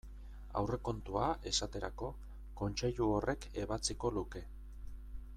Aurrekontua, esaterako, Kontseilu horrek ebatziko luke.